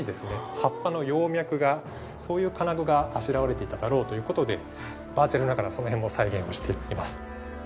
葉っぱの葉脈がそういう金具があしらわれていただろうという事でバーチャルながらその辺も再現をしています。